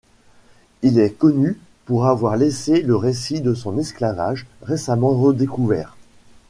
Il est connu pour avoir laissé le récit de son esclavage, récemment redécouvert.